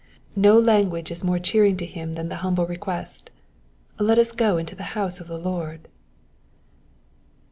No language is more cheering to him than the humble request, Let us go into the house of the Lord."